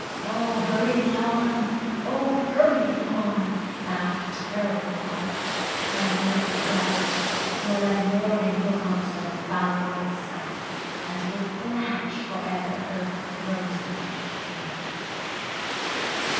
Oh! hurry thee on,—oh! hurry thee on, Thou terrible bark, ere the night be gone, Nor let morning look on so foul a sightAs would blanch forever her rosy light!